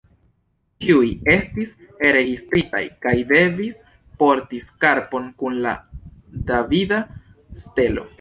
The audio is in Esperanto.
Ĉiuj estis registritaj kaj devis porti skarpon kun la davida stelo.